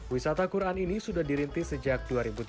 wisata quran ini sudah dirintis sejak dua ribu tiga belas